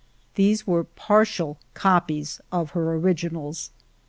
These were partial copies of her originals.